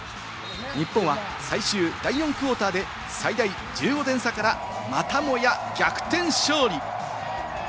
日本は最終第４クオーターで、最大１５点差から、またもや逆転勝利。